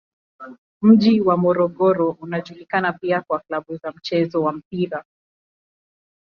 Mji wa Morogoro unajulikana pia kwa klabu za mchezo wa mpira.